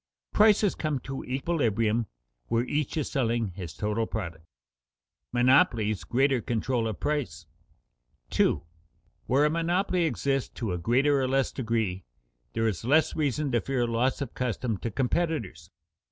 Prices come to equilibrium where each is selling his total product. [Sidenote: Monopoly's greater control of price] 2. _Where a monopoly exists to a greater or less degree, there is less reason to fear loss of custom to competitors.